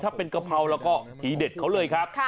ถ้าเป็นกะเพราแล้วก็ทีเด็ดเขาเลยครับ